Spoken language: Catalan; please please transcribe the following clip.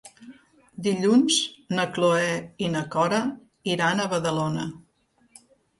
Dilluns na Cloè i na Cora iran a Badalona.